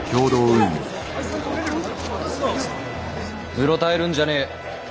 うろたえるんじゃねぇ！